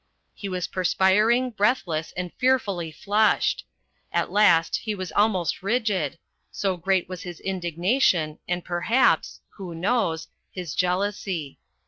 He was perspiring, breathless, and fearfully flushed. At last he was almost rigid, so great was his indignation and perhaps who knows ? his jealousy.